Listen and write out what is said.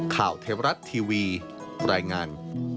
ข่าวเทวรัฐทีวีรายงาน